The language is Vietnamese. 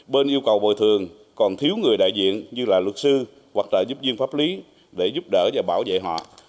bên yêu cầu bồi thường còn thiếu người đại diện như là luật sư hoặc trợ giúp viên pháp lý để giúp đỡ và bảo vệ họ